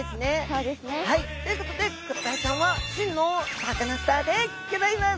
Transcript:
そうですね。ということでクロダイちゃんは真のサカナスターでギョざいます。